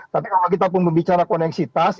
tapi kalau kita pun berbicara koneksitas